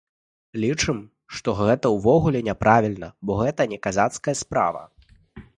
Лічым, што гэта ўвогуле няправільна, бо гэта не казацкая справа.